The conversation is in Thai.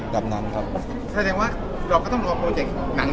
แบบนั้นครับแสดงว่าจอบก็ต้องรอโปรเจ็คหนังเมื่อเยี่ยมเสร็จก่อน